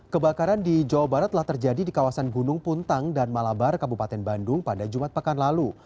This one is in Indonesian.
kebakaran di jawa barat telah terjadi di kawasan gunung puntang dan malabar kabupaten bandung pada jumat pekan lalu